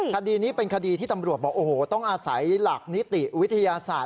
คดีนี้เป็นคดีที่ตำรวจบอกโอ้โหต้องอาศัยหลักนิติวิทยาศาสตร์